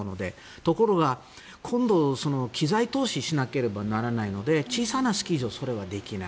ところが、今度機材投資しなければならないので小さなスキー場はそれはできない。